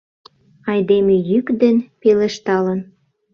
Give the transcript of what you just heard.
Айдеме йӱк ден пелешталын